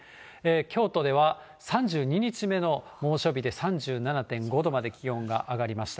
京都では３２日目の猛暑日で、３７．５まで気温が上がりました。